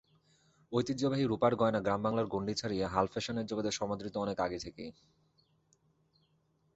ঐতিহ্যবাহী রুপার গয়না গ্রামবাংলার গণ্ডি ছাড়িয়ে হাল ফ্যাশনের জগতে সমাদৃত অনেক আগে থেকেই।